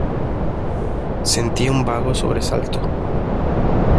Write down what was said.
sentí un vago sobresalto.